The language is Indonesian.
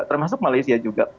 termasuk malaysia juga